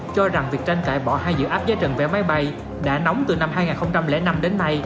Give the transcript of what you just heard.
cho rằng việc tranh cãi bỏ hai dự áp giá trần vé máy bay đã nóng từ năm hai nghìn năm đến nay